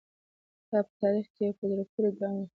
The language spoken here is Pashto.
دا په تاریخ کې یو په زړه پورې ګام و.